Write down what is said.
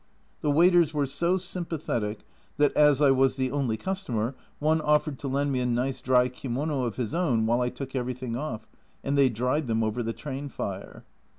The waiters were so sympathetic, that as I was the only customer, one offered to lend me a nice dry kimono of his own while I took everything off, and they dried them over the train fire.